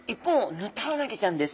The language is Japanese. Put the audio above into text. ヌタウナギちゃんです。